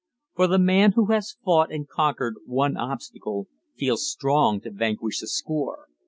For the man who has fought and conquered one obstacle feels strong to vanquish a score.